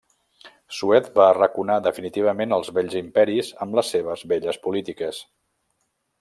Suez va arraconar definitivament els vells imperis amb les seves velles polítiques.